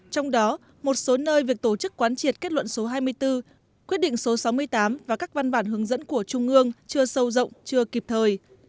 trong đó một số nơi việc tổ chức quán triệt kết luận số hai mươi bốn quyết định số sáu mươi tám và các văn bản hướng dẫn của trung ương chưa sâu rộng chưa kịp thời